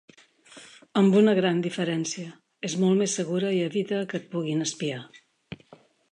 Amb una gran diferència: és molt més segura i evita que et puguin espiar.